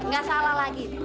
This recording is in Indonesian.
nggak salah lagi